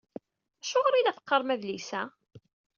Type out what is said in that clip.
Acuɣer i la teqqarem adlis-a?